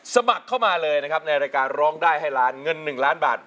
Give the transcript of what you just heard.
สมัครเข้ามาเลยนะครับในรายการร้องได้ให้ล้านเงิน๑ล้านบาท